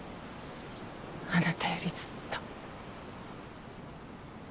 あなたよりずっと。